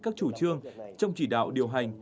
các chủ trương trong chỉ đạo điều hành